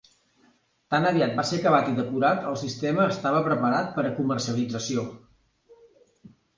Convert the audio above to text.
Tan aviat va ser acabat i depurat, el sistema estava preparat per a comercialització.